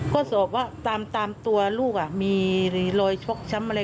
ก็สอบว่าตามตัวลูกมีรอยชกช้ำอะไร